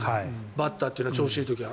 バッターというのは調子がいい時は。